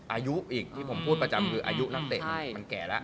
อายุอีกที่ผมพูดประจำคืออายุนักเตะมันแก่แล้ว